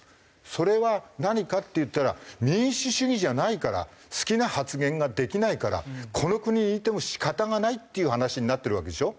それは何かっていったら民主主義じゃないから好きな発言ができないからこの国にいても仕方がないっていう話になってるわけでしょ。